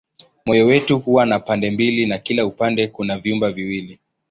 Moyo wetu huwa na pande mbili na kila upande kuna vyumba viwili.